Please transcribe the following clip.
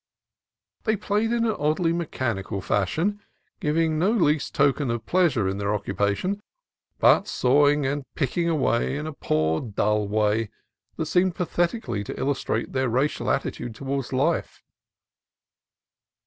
They played in an oddly mechanical fashion, giving no least token of pleasure in their occupation, but sawing and picking away in a poor, THE VILLAGE OF JOLON 181 dull way that seemed pathetically to illustrate their racial attitude toward life.